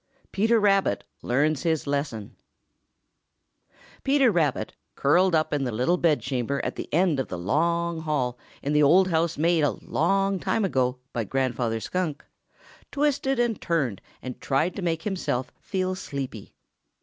PETER RABBIT LEARNS HIS LESSON |PETER RABBIT, curled up in the little bedchamber at the end of the long hall in the old house made a long time ago by Grandfather Skunk, twisted and turned and tried to make himself feel sleepy.